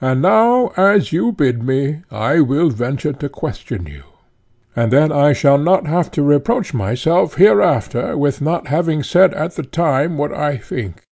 And now, as you bid me, I will venture to question you, and then I shall not have to reproach myself hereafter with not having said at the time what I think.